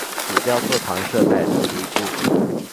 主教座堂设在图卢兹。